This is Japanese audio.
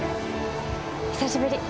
久しぶり！